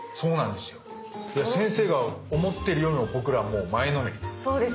で先生が思ってるよりも僕らもう前のめりです。